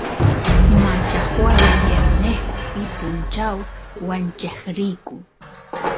machajuay viernespi punchaw wancheq riyku